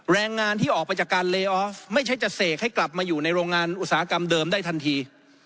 แรงงานที่ออกไปจากการเลออฟไม่ใช่จะเสกให้กลับมาอยู่ในโรงงานอุตสาหกรรมเดิมได้ทันที